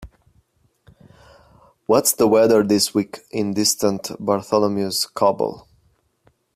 What's the weather this week in distant Bartholomew's Cobble?